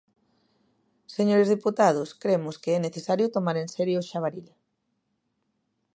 Señores deputados, cremos que é necesario tomar en serio o xabaril.